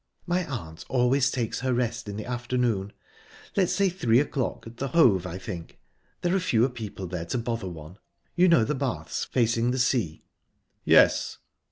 "My aunt always takes her rest in the afternoon, Let's say three o'clock at the Hove, I think; there are fewer people there to bother one. You know the Baths, facing the sea?" "Yes."